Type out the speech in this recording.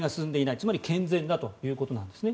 つまり健全だということなんですね。